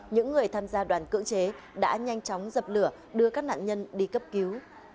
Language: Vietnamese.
những người tham gia đoàn cưỡng chế đã nhanh chóng dập lửa đưa các nạn nhân đi cấp cứu